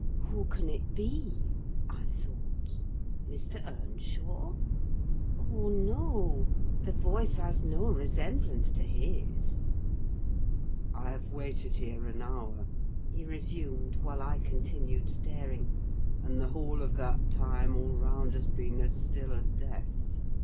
"Who can it be?" I thought. "Mr. Earnshaw? Oh, no! The voice has no resemblance to his." "I have waited here an hour," he resumed, while I continued staring; "and the whole of that time all round has been as still as death.